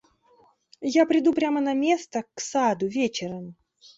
Я приду прямо на место, к саду, вечером».